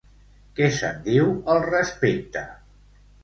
Què se'n diu al respecte?